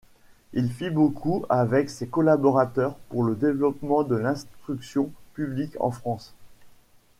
Il fit beaucoup avec ses collaborateurs pour le développement de l'instruction publique en France.